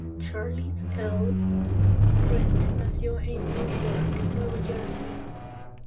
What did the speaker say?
Charles L. Grant nació en Newark, Nueva Jersey.